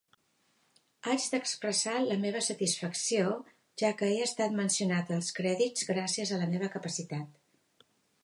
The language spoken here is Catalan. Haig d'expressar la meva satisfacció, ja que he estat mencionat als crèdits gràcies a la meva capacitat.